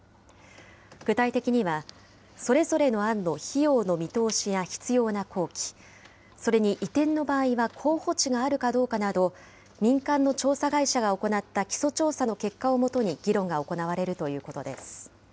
具体的には、それぞれの案の費用の見通しや必要な工期、それに移転の場合は候補地があるかどうかなど、民間の調査会社が行った基礎調査の結果を基に議論が行われるということです。